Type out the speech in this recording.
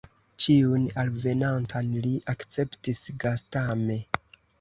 Ĉiun alvenantan li akceptis gastame.